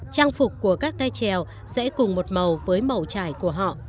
trang phục của các tay trèo sẽ cùng một màu với màu trải của họ